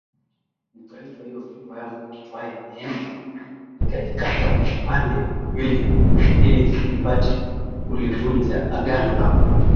Nikaitwa hiyo fimbo yangu iitwayo Neema nikaikata vipande viwili ili nipate kulivunja agano langu